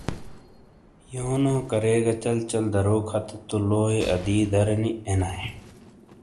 یونو کریگا چَل چَل دَرو کھتے تو لوئیے اَدی درینی اینایئے۔